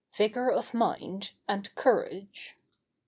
VIGOR OF MIND, AND COURAGE.